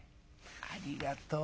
「ありがとう。